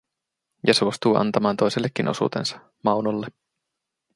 Ja suostuu antamaan toisellekin osuutensa, Maunolle.